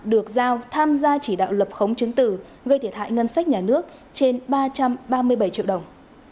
được giao tham gia chỉ đạo lập khống chứng tử gây thiệt hại ngân sách nhà nước trên ba trăm ba mươi bảy triệu đồng